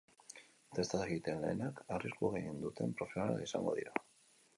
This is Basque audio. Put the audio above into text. Testak egiten lehenak arrisku gehien duten profesionalak izango dira.